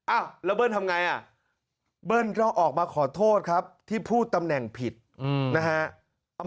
อ้าวแล้วเบิ้ลทำไงอ่ะเบิ้ลก็ออกมาขอโทษครับที่พูดตำแหน่งผิดนะฮะ